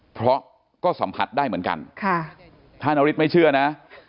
เพราะก็สัมผัสได้เหมือนกันค่ะถ้านฤทธิไม่เชื่อนะ